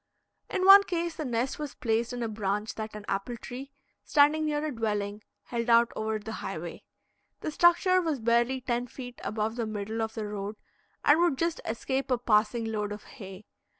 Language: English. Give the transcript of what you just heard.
In one case, the nest was placed in a branch that an apple tree, standing near a dwelling, held out over the highway. The structure was barely ten feet above the middle of the road, and would just escape a passing load of hay.